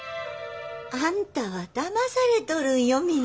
あんたはだまされとるんよ稔。